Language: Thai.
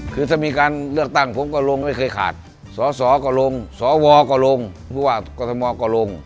คือถ้ามีการเลือกตั้งผมก็ลงไม่เคยขาดสอสอก็ลงสวก็ลงผู้ว่ากรทมก็ลง